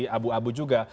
aduh abu abu juga